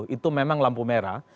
itu memang lampu merah